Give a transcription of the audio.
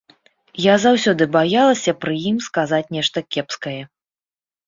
Я заўсёды баялася пры ім сказаць нешта кепскае.